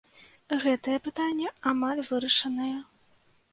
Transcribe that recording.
Гэтае пытанне амаль вырашанае.